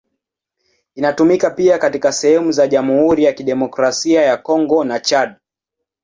Inatumika pia katika sehemu za Jamhuri ya Kidemokrasia ya Kongo na Chad.